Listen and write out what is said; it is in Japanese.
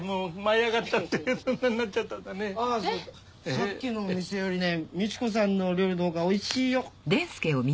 さっきのお店よりねみち子さんの料理のほうがおいしいよ。